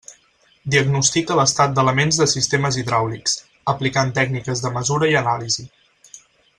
Diagnostica l'estat d'elements de sistemes hidràulics, aplicant tècniques de mesura i anàlisi.